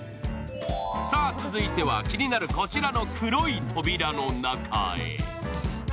さあ、続いては気になるこちらの黒い扉の中へ。